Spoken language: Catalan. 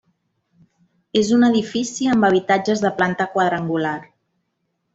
És un edifici amb habitatges de planta quadrangular.